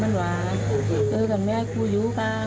มันบอกว่าเออแต่กันไม่ให้คู่ไป